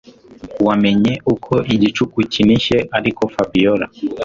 wamenye uko igicuku kinishye ariko Fabiora